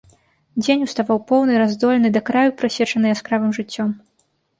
Дзень уставаў поўны, раздольны, да краю прасечаны яскравым жыццём.